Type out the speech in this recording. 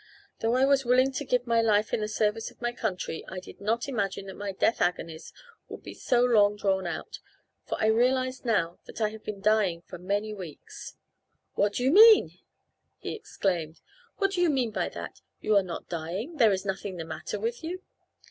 Though I was willing to give my life in the service of my country, I did not imagine that my death agonies would be so long drawn out, for I realize now that I have been dying for many weeks." "What do you mean!" he exclaimed; "what do you mean by that! You are not dying. There is nothing the matter with you."